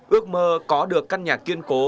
ước mơ có được căn nhà kiên cố